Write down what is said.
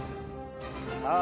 さあ